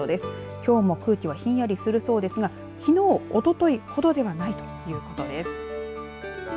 きょうも空気はひんやりするそうですがきのう、おとといほどではないということです。